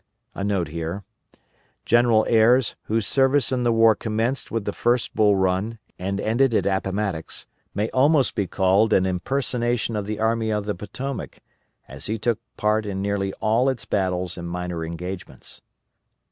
[* General Ayres, whose service in the war commenced with the first Bull Run and ended at Appomattox, may almost be called an impersonation of the Army of the Potomac, as he took part in nearly all its battles and minor engagements.